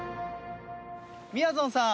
みやぞんさん。